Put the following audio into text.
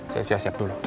saya siap siap dulu